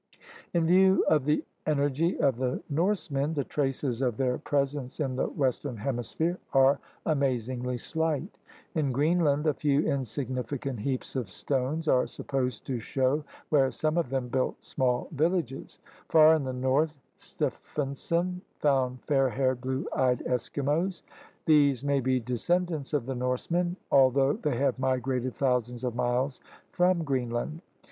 In view of the energy of the Norsemen, the traces of their presence in the Western Hemisphere are amazingly slight. In Greenland a few insignificant heaps of stones are supposed to show where some of them built small villages. Far in the north Stefansson found fair haired, blue eyed Eskimos. These may be descendants of the Norsemen, al though they have migrated thousands of miles from Greenland.